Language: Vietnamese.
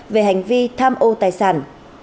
về hành vi tham ô tài sản